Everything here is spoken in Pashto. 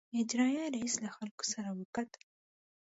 اجرائیه رییس له خلکو سره وکتل.